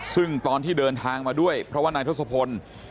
ซึ่งตอนที่เดินทางมาด้วยเพราะว่านายทศพล